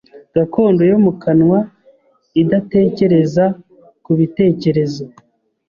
gakondo yo mu kanwa idatekereza ku bitekerezo